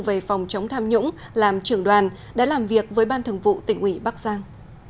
về phòng chống tham nhũng làm trưởng đoàn đã làm việc với ban thường vụ tỉnh ủy bắc giang